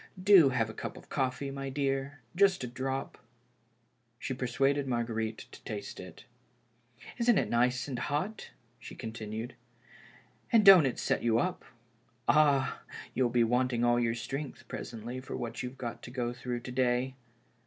Do have a cup of coffee, my dear — just a drop." She persuaded Marguerite to taste it. " Isn't it nice and hot," she continued ;" and don't it set j^ou up. Ah ! you'll be wanting all your strength presently for what you've got to go through to day.